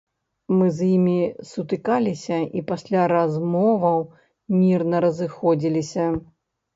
Мы з імі сутыкаліся і пасля размоваў мірна разыходзіліся.